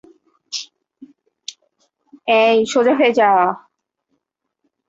এই, সোজা হয়ে যা।